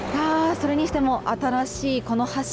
それにしても、新しいこの橋。